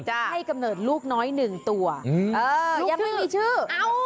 ให้กำเนิดลูกน้อยหนึ่งตัวยังไม่มีชื่อ